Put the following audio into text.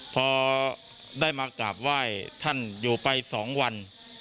พอได้มากราบไหว้ท่านอยู่ไป๒วัน